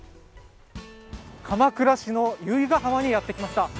鎌倉市の由比ガ浜にやってきました。